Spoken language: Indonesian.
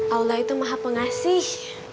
allah itu maha pengasih